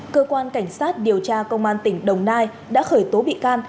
cơ quan cảnh sát điều tra công an tỉnh đồng nai đã khởi tố bị can